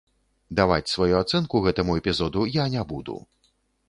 Даваць сваю ацэнку гэтаму эпізоду я не буду.